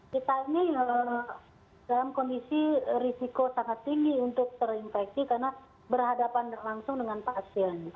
kita ini dalam kondisi risiko sangat tinggi untuk terinfeksi karena berhadapan langsung dengan pasien